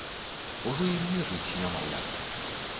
Ужо і мне жыць няма як!